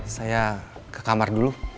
saya ke kamar dulu